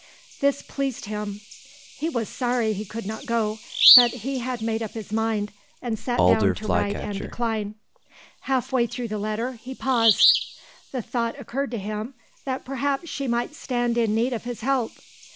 This pleased him. He was sorry he could not go; but he had made up his mind, and sat down to write and decline. Half way through the letter, he paused; the thought occurred to him, that perhaps she might stand in need of his help.